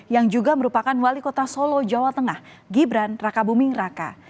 yang juga merupakan wali kota solo jawa tengah gibran raka buming raka